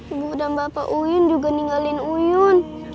ibu dan bapak uyun juga ninggalin uyun